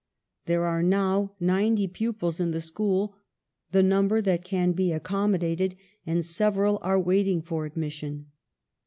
" There are now ninety pupils in the school (the number that can be accommodated) and several are waiting for admission.